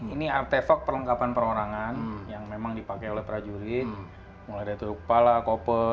ini artefak perlengkapan perorangan yang memang dipakai oleh prajurit mulai dari turuk kepala koper